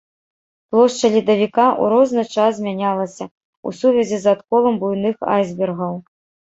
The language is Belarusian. Плошча ледавіка, у розны час змянялася, у сувязі з адколам буйных айсбергаў.